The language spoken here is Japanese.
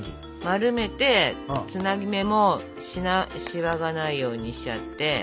丸めてつなぎ目もシワがないようにしちゃって。